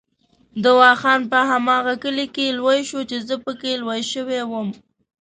دوا خان په هماغه کلي کې لوی شو چې زه پکې لوی شوی وم.